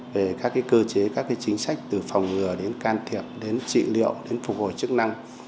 về các cơ chế các chính sách từ phòng ngừa đến can thiệp đến trị liệu đến phục hồi chức năng